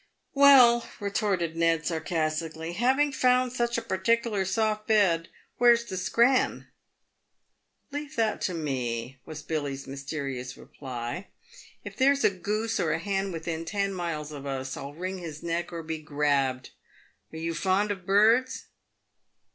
" Well," retorted Ned, sarcastically, " having found such a pertickler soft bed, where's the * scran ?'"" Leave that to me," was Billy's mysterious reply. " If there's a goose or a ben within ten miles of us I'll wring his neck or be grabbed. Are you fond of birds